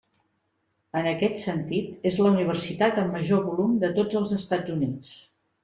En aquest sentit és la universitat amb major volum de tots els Estats Units.